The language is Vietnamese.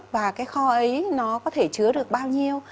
và cái kho ấy nó có thể chứa được bao nhiêu